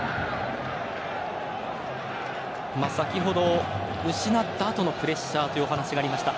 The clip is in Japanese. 先ほど、失ったあとのプレッシャーというお話がありました。